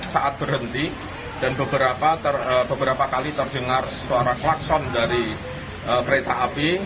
saat berhenti dan beberapa kali terdengar suara klakson dari kereta api